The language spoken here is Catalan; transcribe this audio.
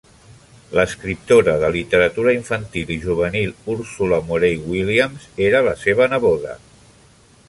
L'escriptora de literatura infantil i juvenil, Ursula Moray Williams, era la seva neboda.